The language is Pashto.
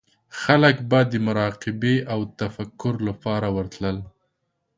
خلک به د مراقبې او تفکر لپاره ورتلل.